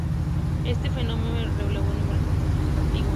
Este fenómeno reveló numerosos vestigios antiguos.